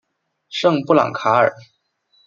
圣布朗卡尔。